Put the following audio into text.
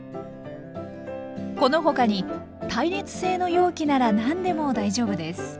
この他に耐熱性の容器なら何でも大丈夫です。